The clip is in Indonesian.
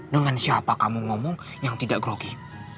dengan siapa kamu ngomong yang tidak grogi